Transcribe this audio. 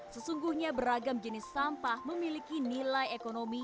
sesungguhnya beragam jenis sampah memiliki nilai ekonomi